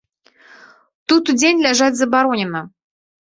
Тут удзень ляжаць забаронена.